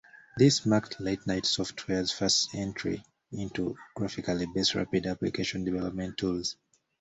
This marked Late Night Software's first entry into graphically-based rapid application development tools.